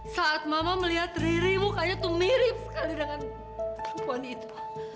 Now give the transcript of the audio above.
saat mama melihat riri mukanya tuh mirip sekali dengan perempuan itu